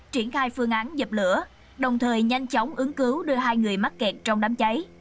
triển khai phương án dập lửa đồng thời nhanh chóng ứng cứu đưa hai người mắc kẹt trong đám cháy